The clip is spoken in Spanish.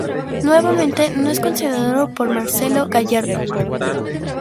Nuevamente no es considerado por Marcelo Gallardo.